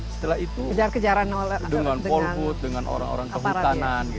setelah itu dengan polput dengan orang orang kehutanan